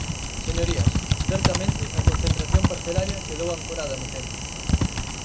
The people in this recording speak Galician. Señorías, certamente a concentración parcelaria quedou ancorada no tempo.